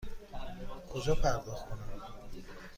کجا پرداخت کنم؟